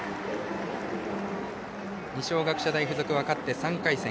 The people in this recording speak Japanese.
二松学舎大付属が勝って３回戦。